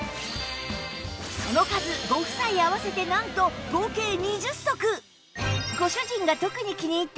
その数ご夫妻合わせてなんと合計２０足！